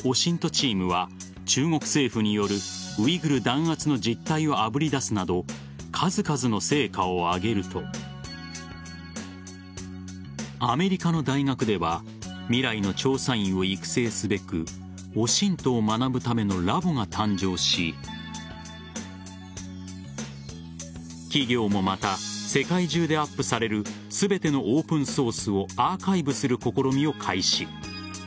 チームは中国政府によるウイグル弾圧の実態をあぶり出すなど数々の成果を挙げるとアメリカの大学では未来の調査員を育成すべくＯＳＩＮＴを学ぶためのラボが誕生し企業もまた世界中でアップされる全てのオープンソースをアーカイブする試みを開始。